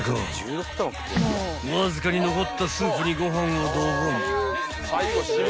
［わずかに残ったスープにご飯をドボン］